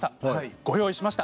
ご用意しました。